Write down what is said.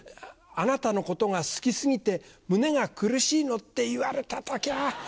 「あなたのことが好き過ぎて胸が苦しいの」って言われた時は。